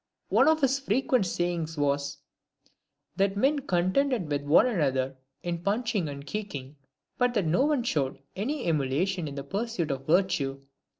One of his frequent sayings was, " That men contended with one another in punching and kicking, but that no one showed any emulation in the pursuit of virtue."